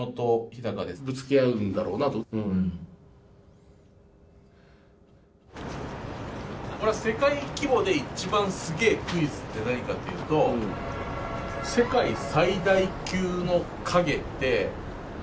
あとは俺は世界規模で一番すげえクイズって何かっていうと「世界最大級の影って何の影だ？」っていうので。